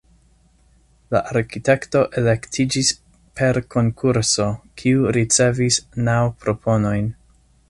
La arkitekto elektiĝis per konkurso, kiu ricevis naŭ proponojn.